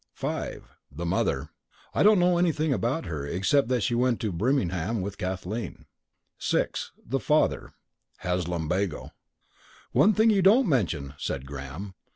"5. The Mother. Don't know anything about her except that she went to Birmingham with Kathleen. "6. The Father. Has lumbago." "One thing you don't mention," said Graham.